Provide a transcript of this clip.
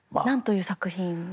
何という作品？